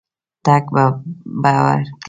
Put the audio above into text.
ټګ به ورکړي.